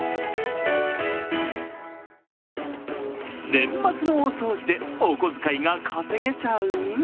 年末の大掃除でお小遣いが稼げちゃう？